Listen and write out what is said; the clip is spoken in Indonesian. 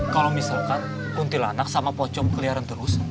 kalau misalkan untilanak sama pocong keliaran terus